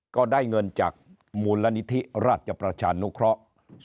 ก็ได้เงินจากมูลนิธิราชประชานุเคราะห์